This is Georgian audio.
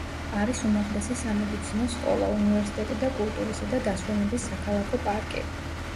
არის უმაღლესი სამედიცინო სკოლა, უნივერსიტეტი და კულტურისა და დასვენების საქალაქო პარკი.